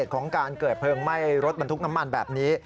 ของการเกิดเพลิงไหม้รถบรรทุกน้ำมันแบบนี้